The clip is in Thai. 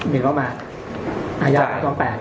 มินต้องมาอาหญาประกอบ๘